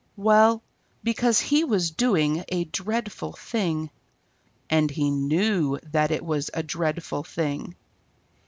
Well, because he was doing a dreadful thing, and he knew that it was a dreadful thing.